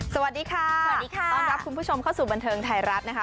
สวัสดีค่ะสวัสดีค่ะต้อนรับคุณผู้ชมเข้าสู่บันเทิงไทยรัฐนะคะ